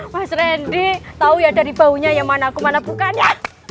mas rendy tahu ya dari baunya yang mana kemana bukannya